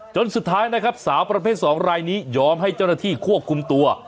จนสุดท้ายนะครับสาวประเภท๒รายนี้ยอมให้เจ้าหน้าที่ควบคุมตัว